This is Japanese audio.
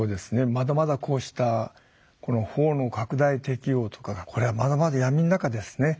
まだまだこうした法の拡大適用とかがこれはまだまだ闇の中ですね。